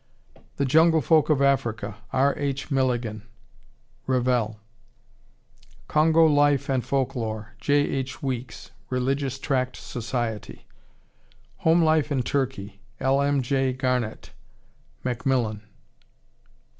The Jungle Folk of Africa, R. H. Milligan, (Revell.) Congo Life and Folklore, J. H. Weeks, (Religious Tract Society.) Home Life in Turkey, L. M. J. Garnett, (Macmillan.)